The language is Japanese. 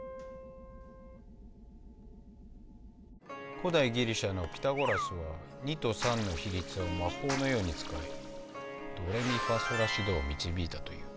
古代ギリシャのピタゴラスは２と３の比率を魔法のように使いドレミファソラシドを導いたという。